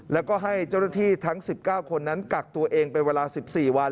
แล้วก็ให้เจ้าหน้าที่ทั้ง๑๙คนนั้นกักตัวเองเป็นเวลา๑๔วัน